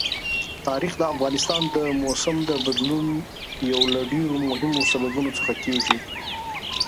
تاریخ د افغانستان د موسم د بدلون یو له ډېرو مهمو سببونو څخه کېږي.